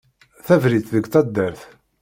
Tabriṭ deg taddart.